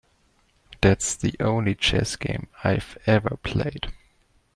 That's the only chess game I ever played.